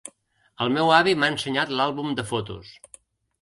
El meu avi m'ha ensenyat l'àlbum de fotos.